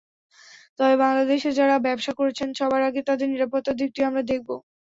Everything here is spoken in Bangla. তবে বাংলাদেশে যাঁরা ব্যবসা করছেন, সবার আগে তাঁদের নিরাপত্তার দিকটি আমরা দেখব।